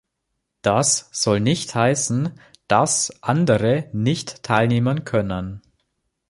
Das soll nicht heißen, dass andere nicht teilnehmen können.